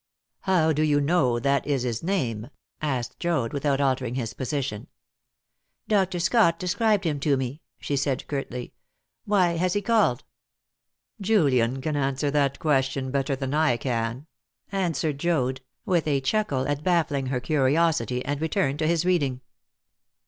"How do you know that is his name?" asked Joad, without altering his position. "Dr. Scott described him to me," she said curtly. "Why has he called?" "Julian can answer that question better than I can," answered Joad, with a chuckle at baffling her curiosity, and returned to his reading.